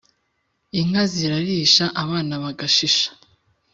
inka zirarisha abana bagashisha